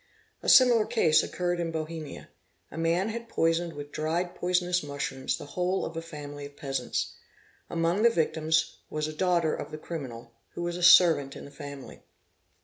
A similar case occurred in | Bohemia. A man had poisoned with dried poisonous mushrooms the whole of a family of peasants. Among the victims was a daughter of the ' criminal, who was a servant in the family.